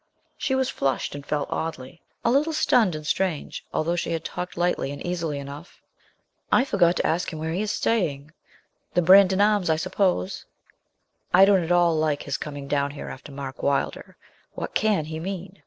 She was flushed, and felt oddly; a little stunned and strange, although she had talked lightly and easily enough. 'I forgot to ask him where he is staying: the Brandon Arms, I suppose. I don't at all like his coming down here after Mark Wylder; what can he mean?